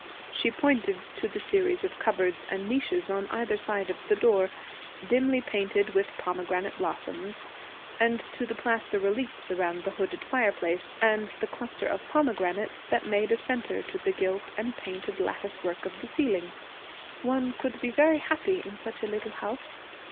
She pointed to the series of cupboards and niches on either side of the door, dimly painted with pomegranate blossoms, and to the plaster reliefs around the hooded fireplace, and the cluster of pomegranates that made a centre to the gilt and painted lattice work of the ceiling. 'One could be very happy in such a little house.